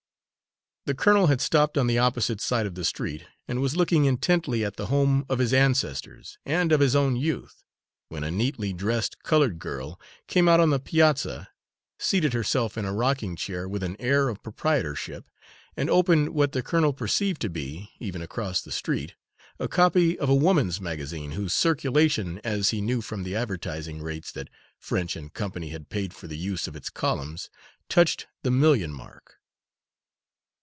The colonel had stopped on the opposite side of the street and was looking intently at the home of his ancestors and of his own youth, when a neatly dressed coloured girl came out on the piazza, seated herself in a rocking chair with an air of proprietorship, and opened what the colonel perceived to be, even across the street, a copy of a woman's magazine whose circulation, as he knew from the advertising rates that French and Co. had paid for the use of its columns, touched the million mark.